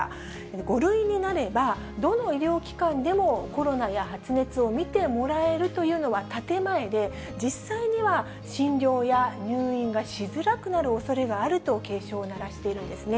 ５類になれば、どの医療機関でもコロナや発熱を診てもらえるというのは建て前で、実際には診療や入院がしづらくなるおそれがあると、警鐘を鳴らしているんですね。